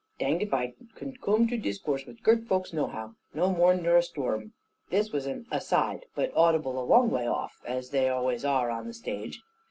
"Danged if I can coom to discourse with girt folks nohow, no more nor a sto un." This was an "aside," but audible a long way off, as they always are on the stage.